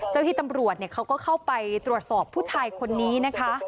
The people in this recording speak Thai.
ที่ตำรวจเขาก็เข้าไปตรวจสอบผู้ชายคนนี้นะคะ